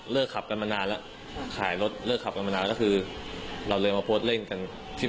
ขับกันมานานแล้วขายรถเลิกขับกันมานานก็คือเราเลยมาโพสต์เล่นกันที่